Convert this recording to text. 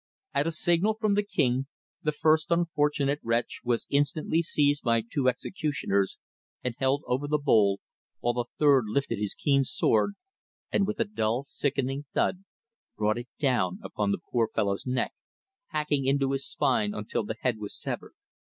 At a signal from the King the first unfortunate wretch was instantly seized by two executioners and held over the bowl, while a third lifted his keen sword, and with a dull, sickening thud brought it down upon the poor fellow's neck, hacking into his spine until the head was severed.